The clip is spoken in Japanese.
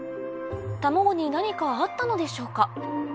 卵に何かあったのでしょうか？